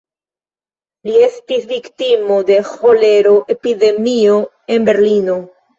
Li estis viktimo de ĥolero-epidemio en Berlino.